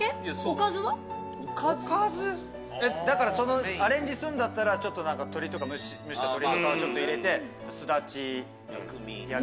おかず？だからアレンジするんだったらちょっと何か蒸した鶏とかをちょっと入れてすだち。